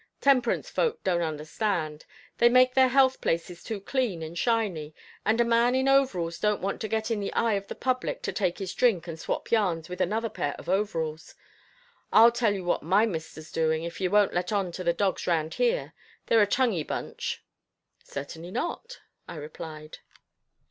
"Temperance folk don't understand. They make their health places too clean and shiny, and a man in overalls don't want to get in the eye of the public to take his drink and swap yarns with another pair of overalls. I'll tell you what my mister's doing, if you won't let on to the dogs round here. They're a tonguey bunch." "Certainly not," I replied.